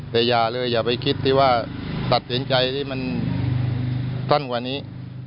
แต่อย่าเลยอย่าไปคิดตรงที่ว่าสัชเย็นใจที่มันต้อนกว่านี้